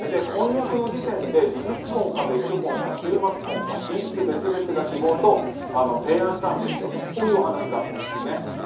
婚約の時点で事実婚か別居婚か週末婚寝室別々が希望と提案したんですよというお話だったんです。